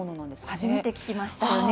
初めて聞きましたよね。